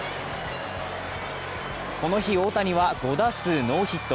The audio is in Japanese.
この日、大谷は５打数ノーヒット。